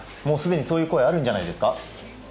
もうすでに、そういう声あるんじゃないですか？